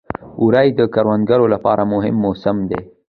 وری د کروندګرو لپاره مهم موسم دی.